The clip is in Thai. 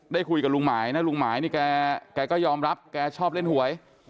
ได้คุยกับลุงหมายนะลุงหมายนี่แกก็ยอมรับแกชอบเล่นหวย